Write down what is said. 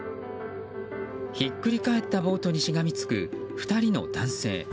ひっくり返ったボートにしがみつく、２人の男性。